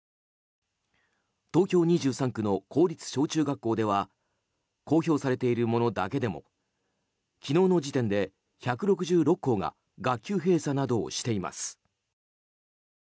東京２３区の公立小中学校では公表されているものだけでも昨日の時点で１６６校が学級閉鎖などをしています。